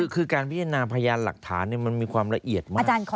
คือการพิจารณาพยานหลักฐานมันมีความละเอียดมาก